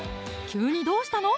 急にどうしたの？